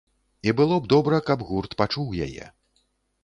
І было б добра, каб гурт пачуў яе.